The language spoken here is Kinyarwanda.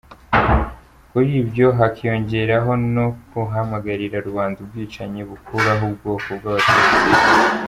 Kuri ibyo hakiyongeraho no guhamagarira rubanda ubwicanyi bukuraho ubwoko bw’Abatutsi.